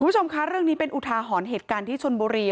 คุณผู้ชมคะเรื่องนี้เป็นอุทาหรณ์เหตุการณ์ที่ชนบุรี